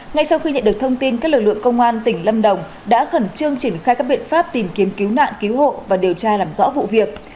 ngay sau khi nhận được thông tin các lực lượng công an tỉnh lâm đồng đã khẩn trương triển khai các biện pháp tìm kiếm cứu nạn cứu hộ và điều tra làm rõ vụ việc